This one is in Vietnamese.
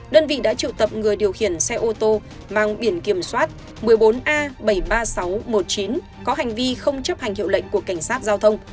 đơn vị đã triệu tập người điều khiển xe ô tô mang biển kiểm soát một mươi bốn a bảy mươi ba nghìn sáu trăm một mươi chín có hành vi không chấp hành hiệu lệnh của cảnh sát giao thông